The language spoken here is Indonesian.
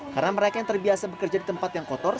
karena mereka yang terbiasa bekerja di tempat yang kotor